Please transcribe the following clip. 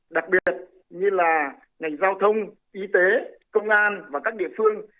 đặc biệt như là ngành giao thông y tế công an và các địa phương